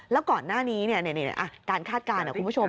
แล้วก่อนหน้านี้เนี่ยอ่ะการคาดการณ์นะคุณผู้ชม